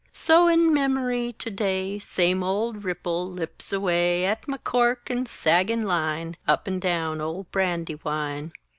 So, in memory, to day Same old ripple lips away At my cork and saggin' line, Up and down old Brandywine!